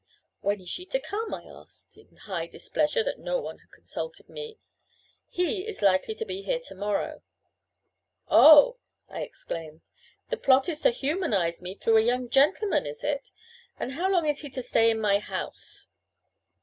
"When is she to come?" I asked, in high displeasure that no one had consulted me. "He is likely to be here to morrow." "Oh," I exclaimed, "the plot is to humanize me through a young gentleman, is it? And how long is he to stay in my house?"